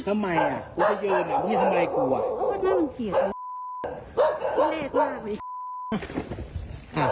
ทำไมอ่ะมันกูบาดไงทำไมอ่ะกูจะยอนไหว้ทำไรกูอ่ะ